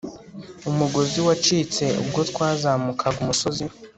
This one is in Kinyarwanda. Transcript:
umugozi wacitse ubwo twazamukaga umusozi